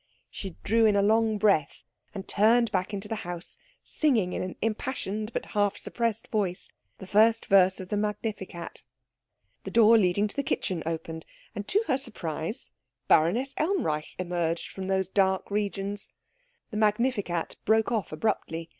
She drew in a long breath, and turned back into the house singing in an impassioned but half suppressed voice the first verse of the Magnificat. The door leading to the kitchen opened, and to her surprise Baroness Elmreich emerged from those dark regions. The Magnificat broke off abruptly.